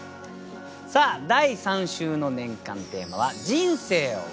さあ第３週の年間テーマは「人生を詠う」でございます。